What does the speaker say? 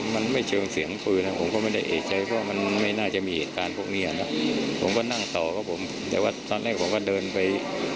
ไม่ได้เอกใจไม่ได้คิดอะไร